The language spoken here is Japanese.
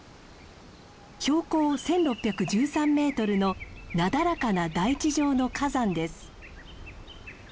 標高１，６１３メートルのなだらかな台地状の火山です。